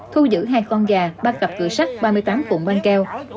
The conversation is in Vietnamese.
thu giữ hai con gà ba cặp cửa sách ba mươi tám cụm ban keo